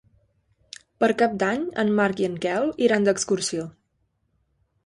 Per Cap d'Any en Marc i en Quel iran d'excursió.